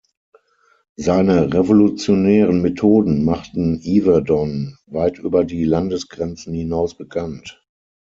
Seine revolutionären Methoden machten Yverdon weit über die Landesgrenzen hinaus bekannt.